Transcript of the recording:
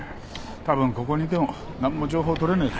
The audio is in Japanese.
たぶんここにいても何も情報取れねえぞ。